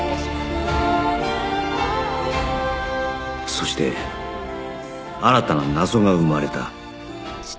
そして新たな謎が生まれた